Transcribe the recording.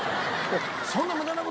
「そんな無駄な事」。